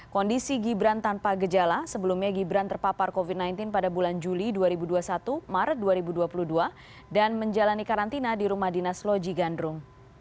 kondisi gibran tanpa gejala sebelumnya gibran terpapar covid sembilan belas pada bulan juli dua ribu dua puluh satu maret dua ribu dua puluh dua dan menjalani karantina di rumah dinas loji gandrung